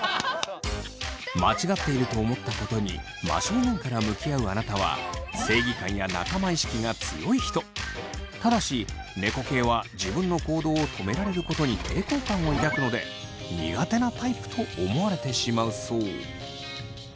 間違っていると思ったことに真正面から向き合うあなたはただし猫系は自分の行動を止められることに抵抗感を抱くので苦手なタイプと思われてしまうそう。